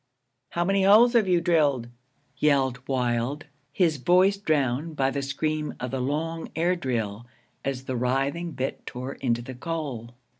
'How many holes have you drilled?' yelled Wild, his voice drowned by the scream of the long air drill as the writhing bit tore into the coal.